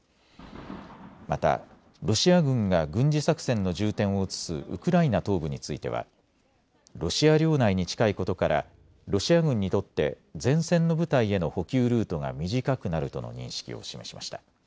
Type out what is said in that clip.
またロシア軍が軍事作戦の重点を移すウクライナ東部についてはロシア領内に近いことからロシア軍にとって前線の部隊への補給ルートが短くなるとの認識を示しました。